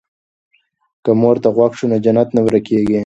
که مور ته غوږ شو نو جنت نه ورکيږي.